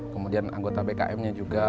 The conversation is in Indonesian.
kemudian anggota bkm nya juga